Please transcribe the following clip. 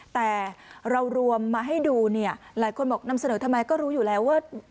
แต่เรารวมมาให้ดูเนี่ยหลายคนบอกนำเสนอทำไมก็รู้อยู่แล้วว่า